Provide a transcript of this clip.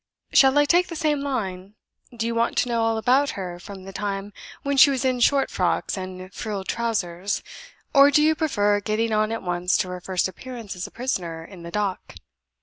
Shall I take the same line? Do you want to know all about her, from the time when she was in short frocks and frilled trousers? or do you prefer getting on at once to her first appearance as a prisoner in the dock?"